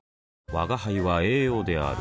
吾輩は栄養である